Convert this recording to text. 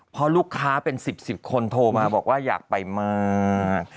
เพราะลูกค้าเป็น๑๐๑๐คนโทรมาบอกว่าอยากไปมาก